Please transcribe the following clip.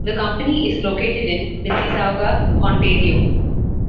The company is located in Mississauga, Ontario.